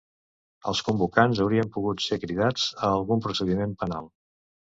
Els convocants haurien pogut ser cridats a algun procediment penal.